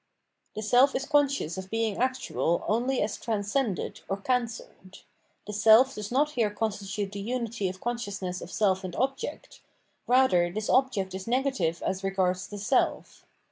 The self is conscious of being actual only as trans cended, as cancehed.* The self does not here constitute the unity of consciousness of self and object ; rather this object is negative as regards the self.